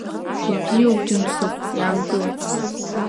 Ибзиоуп, Џьансыхә, иаанкыл!